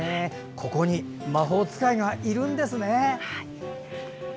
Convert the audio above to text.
ここに魔法使いがいるんですね。